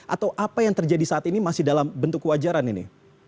atau apa yang terjadi saat ini masih dalam bentuk kewajaran ini